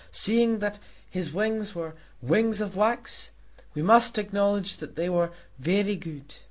Seeing that his wings were wings of wax, we must acknowledge that they were very good.